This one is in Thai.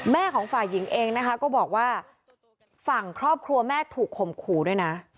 ของฝ่ายหญิงเองนะคะก็บอกว่าฝั่งครอบครัวแม่ถูกข่มขู่ด้วยนะ